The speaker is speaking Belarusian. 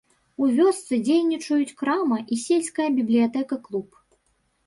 У вёсцы дзейнічаюць крама і сельская бібліятэка-клуб.